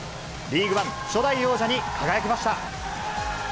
リーグワン初代王者に輝きました。